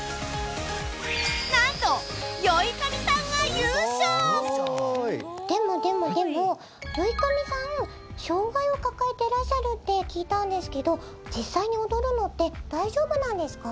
なんとでもでもでも ｙｏｉｋａｍｉ さん障がいを抱えていらっしゃるって聞いたんですけど実際に踊るのって大丈夫なんですか？